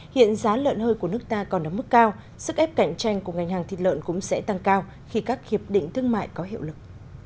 hiện giá lợn hơi của nước ta còn ở mức cao sức ép cạnh tranh của ngành hàng thịt lợn cũng sẽ tăng cao khi các hiệp định thương mại có hiệu lực